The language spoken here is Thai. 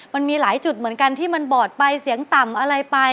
มันมีหลายจุดเหมือนกันที่มันบอดไปเสียงต่ำอะไรไป